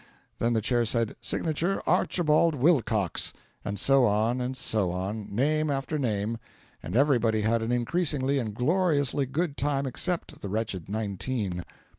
Then the Chair said, "Signature, 'Archibald Wilcox.'" And so on, and so on, name after name, and everybody had an increasingly and gloriously good time except the wretched Nineteen.